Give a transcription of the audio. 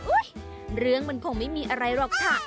เรื่องมันคงไม่มีอะไรหรอกค่ะ